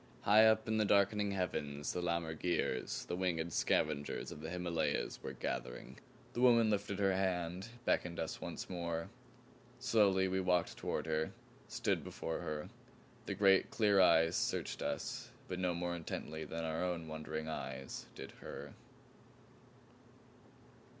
High up in the darkening heavens the lammergeiers, the winged scavengers of the Himalayas, were gathering. The woman lifted her hand, beckoned us once more. Slowly we walked toward her, stood before her. The great clear eyes searched us but no more intently than our own wondering eyes did her.